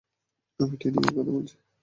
আমি ট্রেনিং এর কথা বলছি।